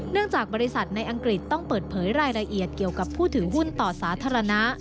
จากบริษัทในอังกฤษต้องเปิดเผยรายละเอียดเกี่ยวกับผู้ถือหุ้นต่อสาธารณะ